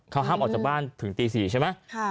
เขาห้ามออกจากบ้านถึงตี๔ใช่ไหม